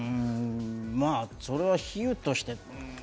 それは比喩として。